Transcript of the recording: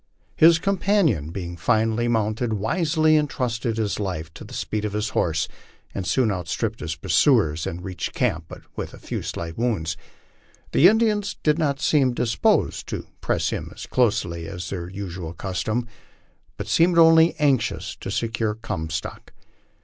His companion, being finely mounted, wisely intrusted his life to the speed of liis horse, and goon outstripped his pursuers, and reached camp with but a few slight wounds. The Indians did not seem disposed to press him as closely as is their usual cus tom, but seemed only anxious to secure Comstock.